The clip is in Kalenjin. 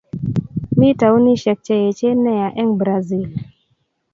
Mi townisiek che echen nea eng Brazil